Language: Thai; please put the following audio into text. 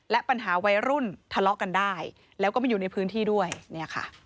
และปัญหาวัยรุ่นทะเลาะกันได้แล้วก็มาอยู่ในพื้นที่ด้วยเนี่ยค่ะ